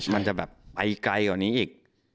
มันจะแบบไปไกลกว่านี้อีก